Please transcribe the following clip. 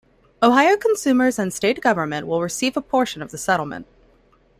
Ohio consumers and state government will receive a portion of the settlement.